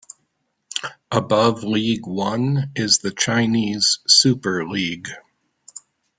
Above League One is the Chinese Super League.